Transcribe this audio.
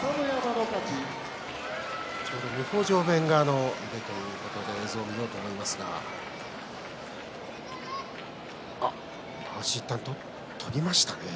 ちょうど向正面側ということで映像を見ようと思いますがまわしをいったん取りましたね。